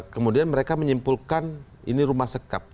kemudian mereka menyimpulkan ini rumah sekap